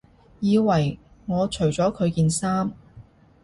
以為我除咗佢件衫